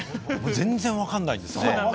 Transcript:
全然わかんないんですね。